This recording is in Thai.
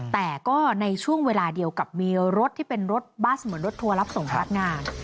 แต่ก็ในช่วงเวลาเดียวกับมีรถที่เป็นรถบัสเหมือนรถทัวร์รับส่งพนักงาน